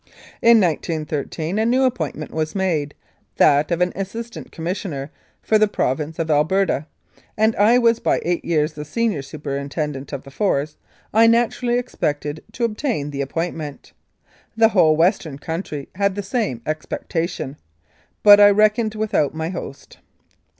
In 1913 a new appointment was made, that of an Assistant Commis sioner for the Province of Alberta, and as I was by eight years the senior superintendent of the Force I naturally expected to obtain the appointment. The whole Western country had the same expectation, but I reckoned without my host.